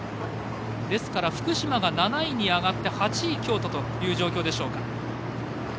ですから、福島が７位に上がって８位京都という状況でしょうか。